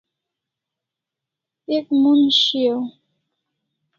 Ek mon shiau